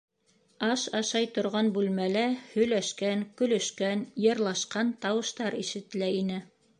Аш ашай торған бүлмәлә һөйләшкән, көлөшкән, йырлашҡан тауыштар ишетелә ине.